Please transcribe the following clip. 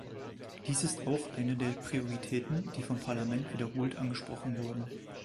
Dies ist auch eine der Prioritäten, die vom Parlament wiederholt angesprochen wurden.